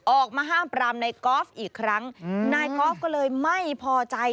ออกมาห้ามปรามในกอล์ฟอีกครั้งนายกอล์ฟก็เลยไม่พอใจ